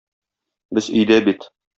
Без өйдә бит.